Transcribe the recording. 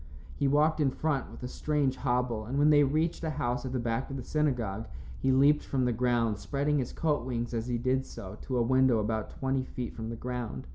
He walked in front with a strange hobble, and when they reached a house at the back of the synagogue, he leaped from the ground, spreading his coat wings as he did so, to a window about twenty feet from the ground.